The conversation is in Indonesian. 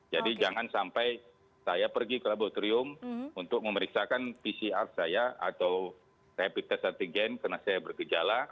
jadi jangan sampai saya pergi ke laboratorium untuk memeriksakan pcr saya atau rapid test antigen karena saya berkejalan